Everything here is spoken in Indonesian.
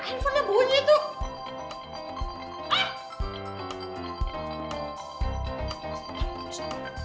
teleponnya bunyi tuh